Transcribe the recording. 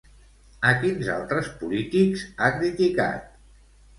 A quins altres polítics ha criticat?